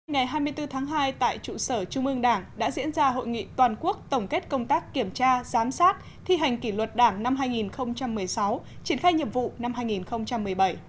ngày hai mươi bốn tháng hai tại trụ sở trung ương đảng đã diễn ra hội nghị toàn quốc tổng kết công tác kiểm tra giám sát thi hành kỷ luật đảng năm hai nghìn một mươi sáu triển khai nhiệm vụ năm hai nghìn một mươi bảy